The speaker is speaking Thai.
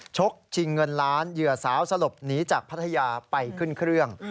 ชิงเงินล้านเหยื่อสาวสลบหนีจากพัทยาไปขึ้นเครื่อง